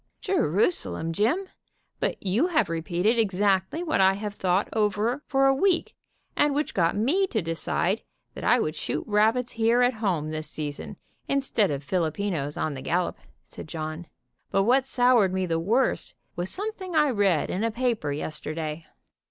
"Jerusalem, Jim, but you have repeated exactly what I have thought over for a week, and which got me to decide that I would shoot rabbits here at home this season, instead of Filipinos on the gallop," said John, "but what soured me the worst was something 134 WHY THEY DID NOT ENLIST I read in a paper yesterday.